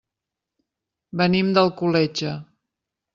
Venim d'Alcoletge.